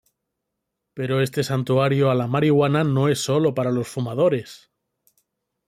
Pero este santuario a la marihuana no es sólo para los fumadores.